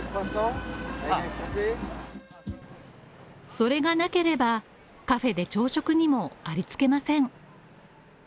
それがなければ、カフェで朝食にもありつけません。